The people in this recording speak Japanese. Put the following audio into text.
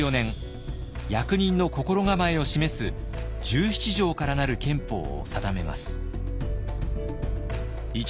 役人の心構えを示す１７条から成る憲法を定めます。